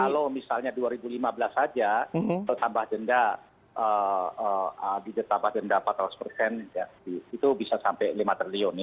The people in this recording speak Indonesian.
kalau misalnya dua ribu lima belas saja atau tambah denda tambah denda empat ratus persen itu bisa sampai lima triliun